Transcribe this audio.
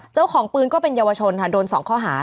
เจ้าของปืนก็เป็นเยาวชนค่ะโดน๒ข้อหา